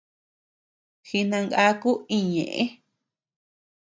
Jinangaku íñ ñeʼe.